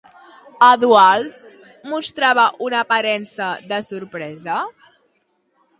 Eudald mostrava una aparença de sorpresa?